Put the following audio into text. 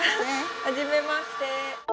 はじめまして。